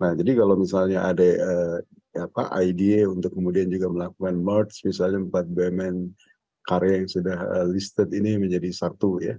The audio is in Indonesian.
nah jadi kalau misalnya ada apa idea untuk kemudian juga melakukan merge misalnya empat bumn karya yang sudah listed ini menjadi satu ya